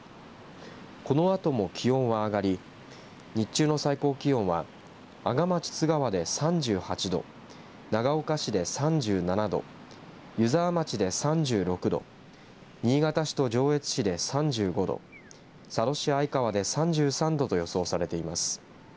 このあとも気温は上がり日中の最高気温は阿賀町津川で３８度長岡市で３７度湯沢町で３６度新潟市と上越市で３５度佐渡市相川で３３度と予想されています。